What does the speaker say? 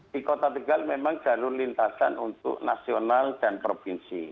di kota tegal memang jalur lintasan untuk nasional dan provinsi